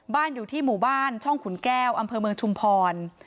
อยู่ที่หมู่บ้านช่องขุนแก้วอำเภอเมืองชุมพร